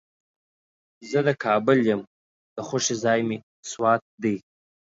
زه د کابل یم، د خوښې ځای مې سوات دی.